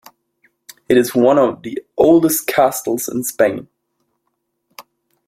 It is one of the oldest castles in Spain.